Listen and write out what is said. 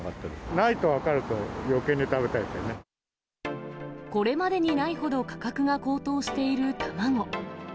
ないと分かると、よけいに食べたこれまでにないほど価格が高騰している卵。